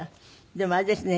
でもあれですね。